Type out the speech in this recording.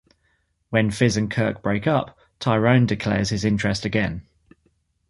When Fiz and Kirk break up, Tyrone declares his interest again.